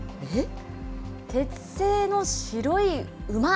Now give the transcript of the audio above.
鉄製の白い馬。